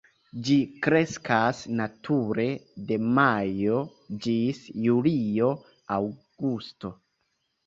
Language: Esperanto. Ĝi kreskas nature de majo ĝis julio, aŭgusto.